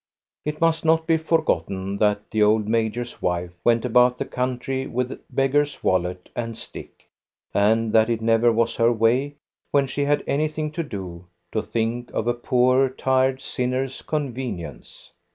It must not be forgotten that the old major's wife went about the country with beggar's wallet and stick, and that it never was her way, when she had anything to do, to think of a poor tired sinner's convenience.